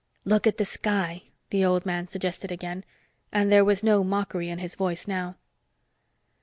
"Look at the sky," the old man suggested again, and there was no mockery in his voice now.